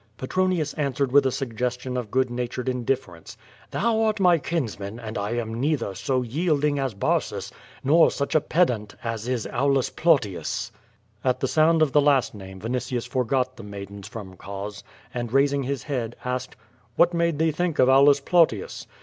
Petronius answered with a suggestion of good natured in difference: "Thou art my kinsman, and I am neither so yielding as Barsus, nor such a pedant as is Aulus Plautius/' At the sound of the last name Vinitius forgot the maidens from Cos, and, raising his head, asked: "What made thee think of Aulus Plautius?